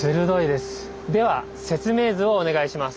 では説明図をお願いします。